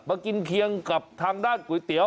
กินเคียงกับทางด้านก๋วยเตี๋ย